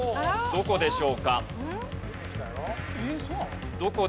どこでしょうか？